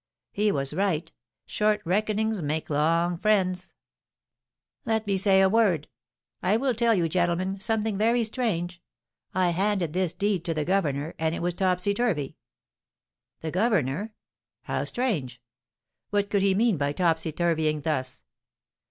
"He was right. 'Short reckonings make long friends!'" "Let me say a word. I will tell you, gentlemen, something very strange. I handed this deed to the governor, and it was topsy turvy." "The governor? How strange! What could he mean by topsy turvying thus?